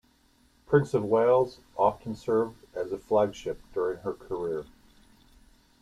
"Prince of Wales" often served as a flagship during her career.